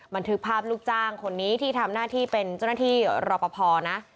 บันทึกภาพลูกจ้างคนนี้ที่ทำหน้าที่เป็นเจ้าหน้าที่รอปภนะ